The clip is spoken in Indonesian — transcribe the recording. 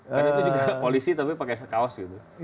kan itu juga polisi tapi pakai kaos gitu